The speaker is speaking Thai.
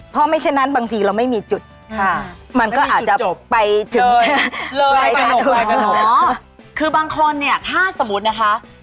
เพราะไม่ฉะนั้นบางทีเราไม่มีจุดมันก็อาจจะไปถึงปลายทางคือบางคนเนี่ยถ้าสมมุตินะคะ